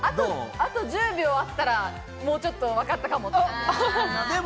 あと１０秒あったら、もうちょっとわかったかも。